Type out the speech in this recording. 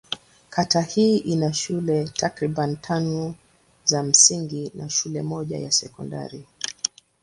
Kata hii ina shule takriban tano za msingi na shule moja ya sekondari.